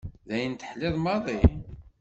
D ayen teḥliḍ maḍi?